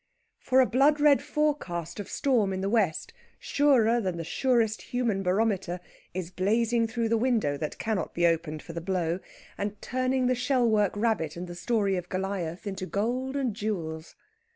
For a blood red forecast of storm in the west, surer than the surest human barometer, is blazing through the window that cannot be opened for the blow, and turning the shell work rabbit and the story of Goliath into gold and jewels.